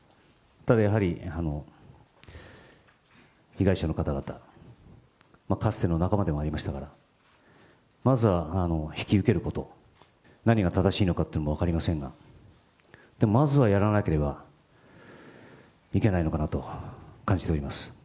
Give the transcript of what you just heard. ただやはり被害者の方々、かつての仲間でもありましたから、まずは引き受けること、何が正しいのかっていうのも分かりませんが、でもまずはやらなければいけないのかなと感じております。